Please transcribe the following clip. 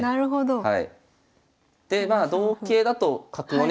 はい。